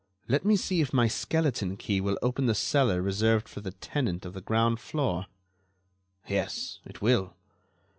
Let me see if my skeleton key will open the cellar reserved for the tenant of the ground floor. Yes; it will.